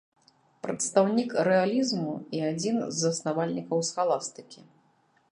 Прадстаўнік рэалізму і адзін з заснавальнікаў схаластыкі.